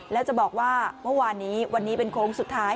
แล้วจะบอกว่าเมื่อวานนี้วันนี้เป็นโค้งสุดท้าย